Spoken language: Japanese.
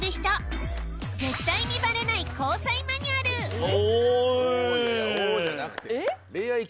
「おお！」じゃなくて。